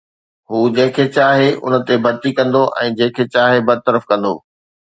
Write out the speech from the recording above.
هو جنهن کي چاهي ان تي ڀرتي ڪندو ۽ جنهن کي چاهي برطرف ڪندو